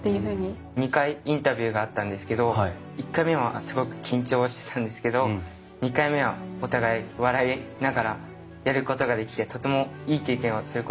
２回インタビューがあったんですけど１回目はすごく緊張してたんですけど２回目はお互い笑いながらやることができてとてもいい経験をすることができました。